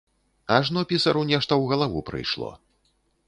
Ажно пісару нешта ў галаву прыйшло.